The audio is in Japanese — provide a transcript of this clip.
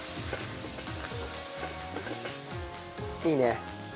いいね。